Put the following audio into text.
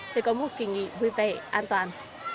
để có một kỳ nghỉ vui vẻ an toàn